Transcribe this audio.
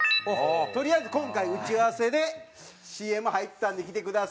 とりあえず今回打ち合わせでＣＭ入ったんで来てくださいと。